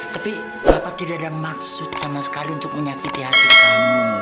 tapi bapak tidak ada maksud sama sekali untuk menyakiti hati kami